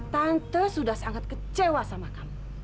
tante sudah sangat kecewa sama kamu